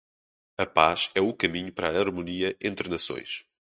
A paz é o caminho para a harmonia entre nações.